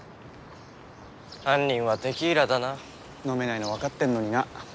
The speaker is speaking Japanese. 犯人はテキーラだな飲めないの分かってんのにな